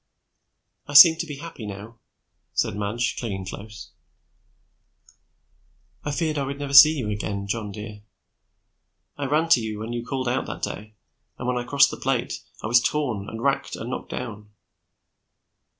"I seem to be happy now," said Madge, clinging close. "I feared I would never see you again. John dear. I ran to you when you called out that day and when I crossed the plate, I was torn and racked and knocked down.